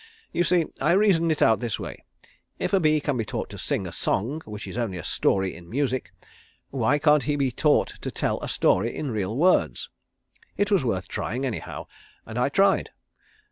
You see I reasoned it out this way. If a bee can be taught to sing a song which is only a story in music, why can't he be taught to tell a story in real words. It was worth trying anyhow, and I tried.